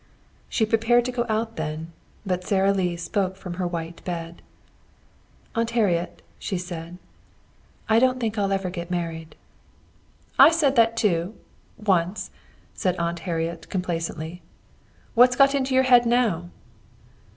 She prepared to go out then, but Sara Lee spoke from her white bed. "Aunt Harriet," she said, "I don't think I'll ever get married." "I said that too, once," said Aunt Harriet complacently. "What's got into your head now?"